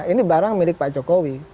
ini barang milik pak jokowi